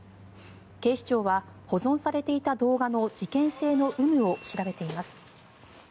警視庁は保存されていた動画の事件性の有無を調べています。